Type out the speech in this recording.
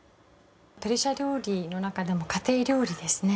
ペルシャ料理のなかでも家庭料理ですね。